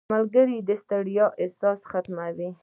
• ملګری د ستړیا احساس ختموي.